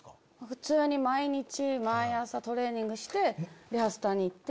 普通に毎日毎朝トレーニングしてリハスタに行って。